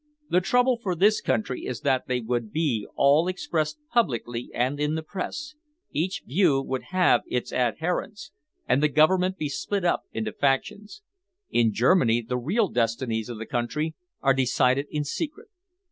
The trouble for this country is that they would be all expressed publicly and in the press, each view would have its adherents, and the Government be split up into factions. In Germany, the real destinies of the country are decided in secret.